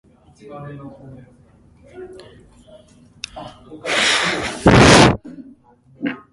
She performs worldwide, recently in the Middle East.